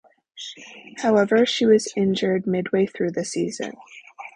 However, she was injured midway through the season.